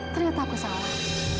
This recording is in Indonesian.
ternyata aku salah